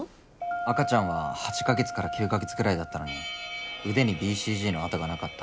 赤ちゃんは８か月から９か月くらいだったのに腕にＢＣＧの痕がなかった。